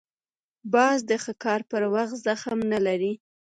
باز د ښکار پر وخت زغم نه لري